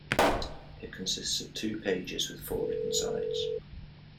It consists of two pages with four written sides.